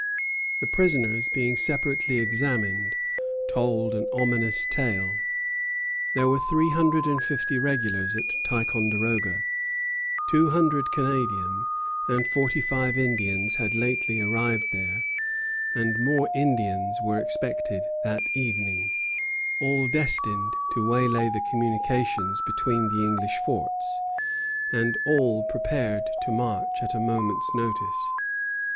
The prisoners, being separately examined, told an ominous tale. There were three hundred and fifty regulars at Ticonderoga; two hundred Canadians and forty five Indians had lately arrived there, and more Indians were expected that evening, all destined to waylay the communications between the English forts, and all prepared to march at a moment's notice.